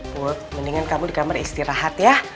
mendingan kamu di kamar istirahat ya